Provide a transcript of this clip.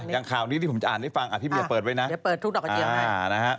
อย่างข่าวนี้ที่ผมจะอ่านให้ฟังพี่เมียเปิดไว้นะเดี๋ยวเปิดทุกดอกกระเจียนะฮะ